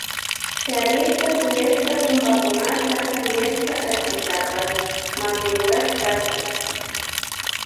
Charirka kuyaska kumbakunata y huyashka allkutapash makirurashkata.